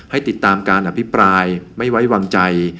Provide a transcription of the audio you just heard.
ให้ติดตามการอภิปรายไม่ไว้วางใจ